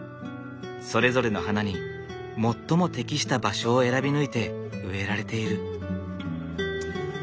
それぞれの花に最も適した場所を選び抜いて植えられている。